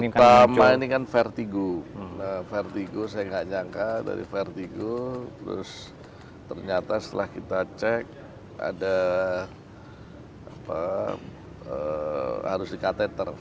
pertama ini kan vertigo vertigo saya nggak nyangka dari vertigo terus ternyata setelah kita cek ada harus di catheter